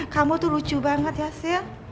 kamu tuh lucu banget ya sil